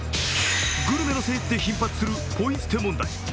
グルメの聖地で頻発するポイ捨て問題。